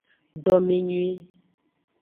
Domenyui.